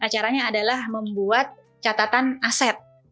caranya adalah membuat catatan aset